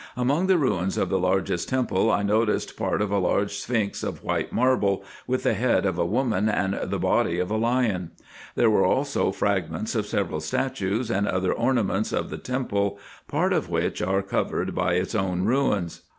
Among the ruins of the largest temple I noticed part of a large sphinx of white marble, with the head of a woman and body of a lion. There were also fragments of several statues, and other ornaments of the temple, part of which are co vered by its own ruins.